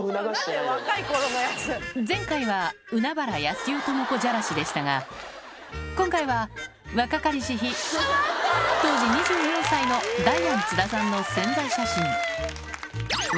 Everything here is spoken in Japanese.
前回は海原やすよともこじゃらしでしたが、今回は若かりし日、当時２４歳のダイアン・津田さんの宣材写真。